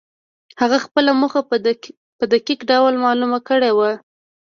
هغه خپله موخه په دقيق ډول معلومه کړې وه.